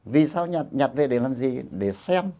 vì sao nhặt về để làm gì để xem